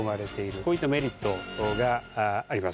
こういったメリットがあります。